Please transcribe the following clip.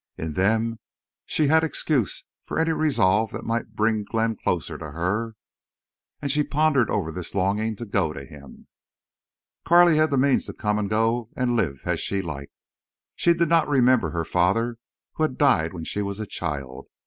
In them she had excuse for any resolve that might bring Glenn closer to her. And she pondered over this longing to go to him. Carley had the means to come and go and live as she liked. She did not remember her father, who had died when she was a child.